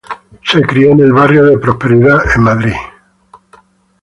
Se crio en el barrio de Prosperidad, en Madrid.